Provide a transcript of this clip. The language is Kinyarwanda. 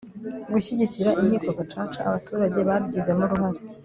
gushyigikira inkiko gacaca abaturage babigizemo uruhare